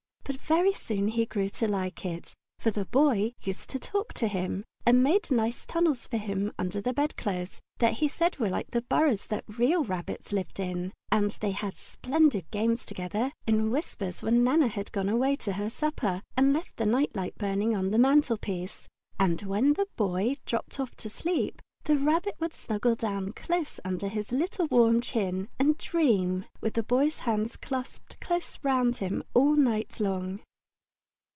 But very soon he grew to like it, for the Boy used to talk to him, and made nice tunnels for him under the bedclothes that he said were like the burrows the real rabbits lived in. And they had splendid games together, in whispers, when Nana had gone away to her supper and left the night light burning on the mantelpiece. And when the Boy dropped off to sleep, the Rabbit would snuggle down close under his little warm chin and dream, with the Boy's hands clasped close round him all night long.